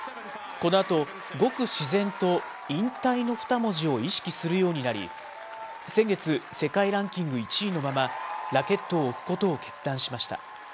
このあと、ごく自然と引退の２文字を意識するようになり、先月、世界ランキング１位のまま、ラケットを置くことを決断しました。